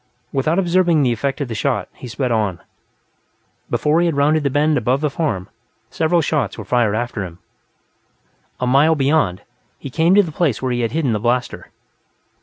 Without observing the effect of the shot, he sped on; before he had rounded the bend above the farm, several shots were fired after him. A mile beyond, he came to the place where he had hidden the blaster.